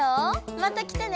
また来てね！